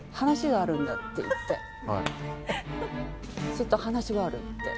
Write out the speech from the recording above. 「ちょっと話がある」って。